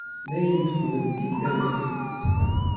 Dayen teqbel tillawt-is.